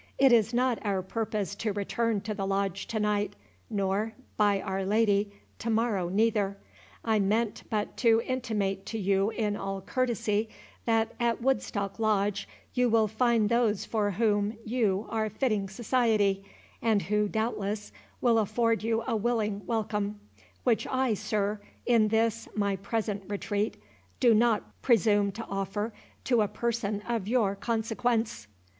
"It is not our purpose to return to the Lodge to night, nor, by Our Lady, to morrow neither. I meant but to intimate to you in all courtesy, that at Woodstock Lodge you will find those for whom you are fitting society, and who, doubtless, will afford you a willing welcome; which I, sir, in this my present retreat, do not presume to offer to a person of your consequence."